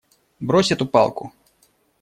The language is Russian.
Брось эту палку!